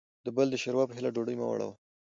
دبل دشوروا په هیله ډوډۍ مه وړه وه